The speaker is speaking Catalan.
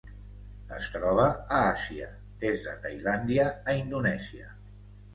Es troba a Àsia: des de Tailàndia a Indonèsia.